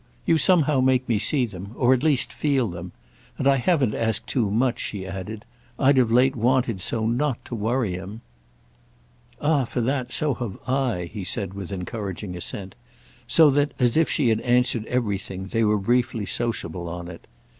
You somehow make me see them—or at least feel them. And I haven't asked too much," she added; "I've of late wanted so not to worry him." "Ah for that, so have I," he said with encouraging assent; so that—as if she had answered everything—they were briefly sociable on it.